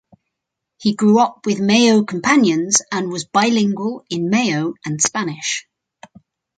He grew up with Mayo companions and was bilingual in Mayo and Spanish.